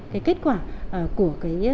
cái kết quả của cái xét nghiệm